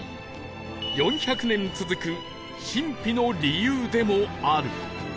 ４００年続く神秘の理由でもある